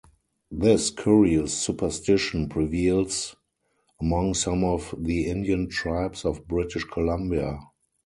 This curious superstition prevails among some of the Indian tribes of British Columbia.